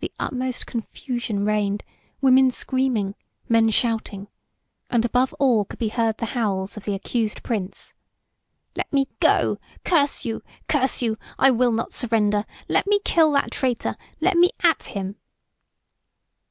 The utmost confusion reigned women screaming, men shouting and above all could be heard the howls of the accused Prince. "Let me go! Curse you! Curse you! I will not surrender! Let me kill that traitor! Let me at him!"